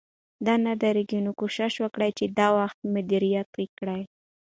دا نه درېږي، نو کوشش وکړئ چې دا وخت مدیریت کړئ